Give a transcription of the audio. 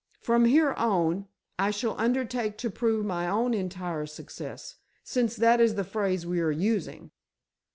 From here on, I shall undertake to prove my own entire success, since that is the phrase we are using.